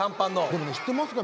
でもね知ってますか？